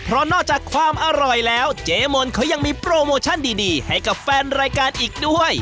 เพราะนอกจากความอร่อยแล้วเจ๊มนต์เขายังมีโปรโมชั่นดีให้กับแฟนรายการอีกด้วย